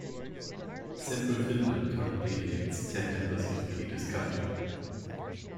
Central Finland currently elects ten members of the "Eduskunta".